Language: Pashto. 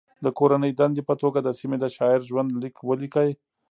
د کورنۍ دندې په توګه د سیمې د شاعر ژوند لیک ولیکئ.